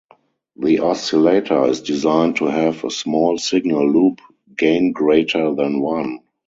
The oscillator is designed to have a small-signal loop gain greater than one.